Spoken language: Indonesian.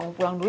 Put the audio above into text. mau pulang dulu